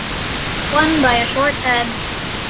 Won by a short head.